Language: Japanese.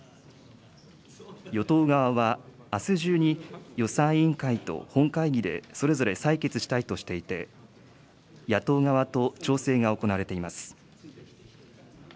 与党側は、あす中に予算委員会と本会議でそれぞれ採決したいとしていて、野党側と調整が行われています。